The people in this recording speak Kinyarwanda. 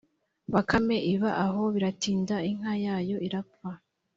bakame iba aho, biratinda inka yayo irapfa,